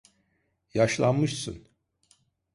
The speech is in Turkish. Yaşlanmışsın.